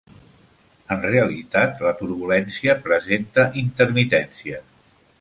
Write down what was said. En realitat, la turbulència presenta intermitència.